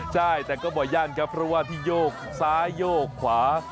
ใช่แต่ก็บ่อยั่นครับเพราะว่าที่โยกซ้ายโยกขวา